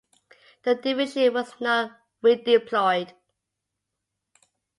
The division was not redeployed.